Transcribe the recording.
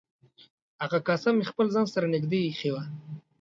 هغه کاسه مې خپل ځان سره نږدې ایښې وه.